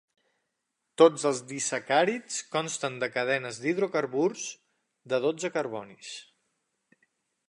Tots els disacàrids consten de cadenes d'hidrocarburs de dotze carbonis.